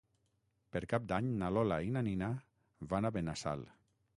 Per Cap d'Any na Lola i na Nina van a Benassal.